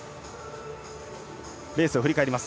レースを振り返ります。